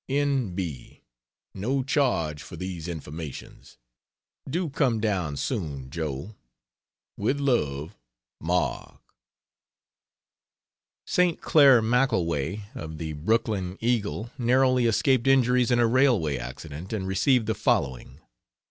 N. B. No charge for these informations. Do come down soon, Joe. With love, MARK. St. Clair McKelway, of The Brooklyn Eagle, narrowly escaped injuries in a railway accident, and received the following.